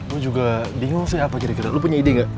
lo juga bingung sih apa kira kira lo punya ide gak